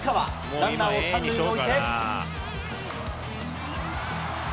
ランナーを３塁に置いて。